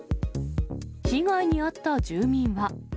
被害に遭った住民は。